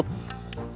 terus saya berangkat